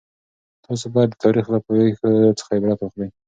تاسو باید د تاریخ له پېښو څخه عبرت واخلئ.